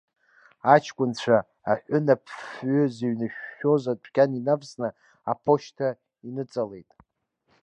Аҷкәынцәа, аҳәынаԥфҩы зыҩншәшәоз адәқьан инавсын, аԥошьҭа иныҵалеит.